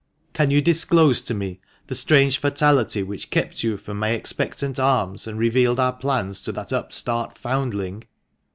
Can you disclose to me the strange fatality which kept you from my expectant arms, and revealed our plans to that upstart foundling?